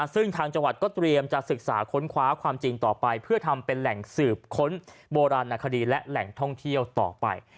ซึ่งทางจังหวัดก็เตรียมจะศึกษาค้นคว้าความจริงต่อไปเพื่อทำเป็นแหล่งสืบค้นโบราณนาคดีและแหล่งท่องเที่ยวต่อไป